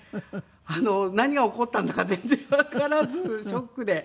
何が起こったんだか全然わからずショックで。